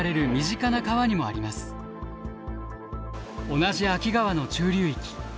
同じ秋川の中流域。